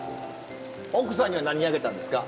奥さんには何あげたんですか？